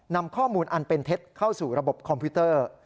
นำข้อมูลอันเป็นเท็จเข้าสู่ระบบคอมพิวเตอร์